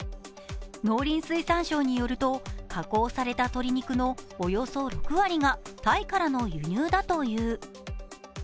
農林水産省によると、加工された鶏肉のおよそ６割がタイからの輸入だという。